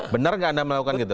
benar nggak anda melakukan itu